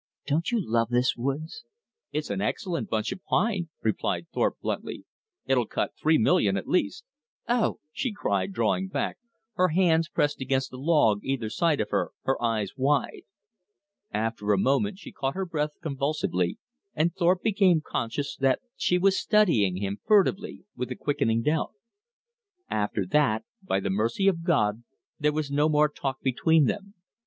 "Don't you love this woods?" "It's an excellent bunch of pine," replied Thorpe bluntly. "It'll cut three million at least." "Oh!" she cried drawing back, her hands pressed against the log either side of her, her eyes wide. After a moment she caught her breath convulsively, and Thorpe became conscious that she was studying him furtively with a quickening doubt. After that, by the mercy of God, there was no more talk between them.